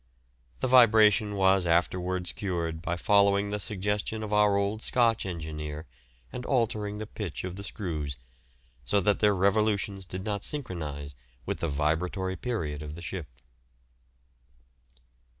The vibration was afterwards cured by following the suggestion of our old Scotch engineer and altering the pitch of the screws, so that their revolutions did not synchronise with the vibratory period of the ship.